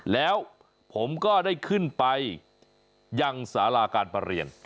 แล้วผมก็ได้ขึ้นไปยังสาราการประเรียน